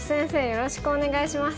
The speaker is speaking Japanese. よろしくお願いします。